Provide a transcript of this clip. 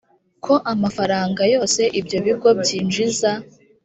ko amafaranga yose ibyo bigo byinjiza